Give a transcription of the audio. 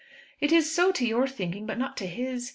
"It is so, to your thinking, but not to his.